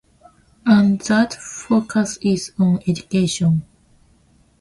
And that focus is on education.